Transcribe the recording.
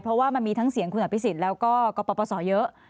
เพราะว่ามันมีทั้งเสียงคุณอภิษฎแล้วก็กรปศเยอะ